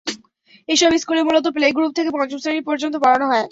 এসব স্কুলে মূলত প্লে গ্রুপ থেকে পঞ্চম শ্রেণি পর্যন্ত পড়ানো হয়।